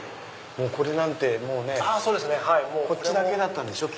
これなんてこっちだけだったんでしょ？